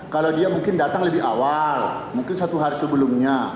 kalau dia mungkin datang lebih awal mungkin satu hari sebelumnya